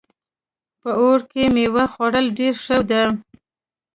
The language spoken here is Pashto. په اوړي کې میوې خوړل ډېر ښه ده